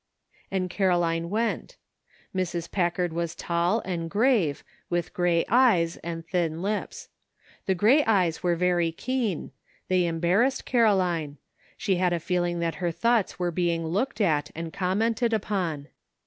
And Caroline went. Mrs. Packard was tall and grave, with gray eyes and thin lips. The gray eyes were very keen; they embarrassed Caroline ; she had a feeling that her thoughts were being looked at and commented upon.